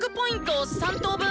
Ｐ３等分？